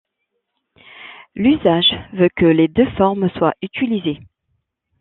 L'usage veut que les deux formes soient utilisées.